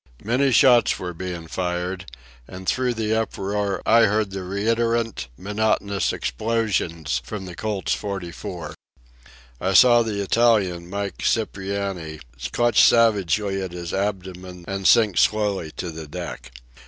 Many shots were being fired, and through the uproar I heard the reiterant, monotonous explosions from the Colt's .44 I saw the Italian, Mike Cipriani, clutch savagely at his abdomen and sink slowly to the deck.